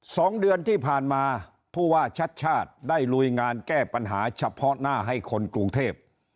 สองเดือนที่ผ่านมาผู้ว่าชัดชาติได้ลุยงานแก้ปัญหาเฉพาะหน้าให้คนกรุงเทพ